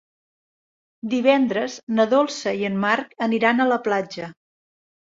Divendres na Dolça i en Marc aniran a la platja.